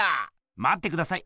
まってください！